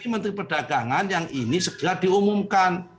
menteri perdagangan yang ini segera diumumkan